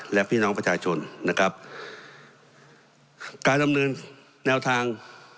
และพี่น้องประชาชนนะครับการดำเนินแนวทาง